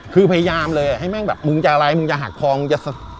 คือพยายามเลยให้แม่งแบบมึงอยากจะอะไรมึงอยากหาทองอยากจะศะ